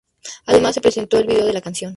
Además, se presentó el video de la canción.